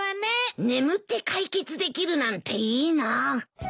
眠って解決できるなんていいな。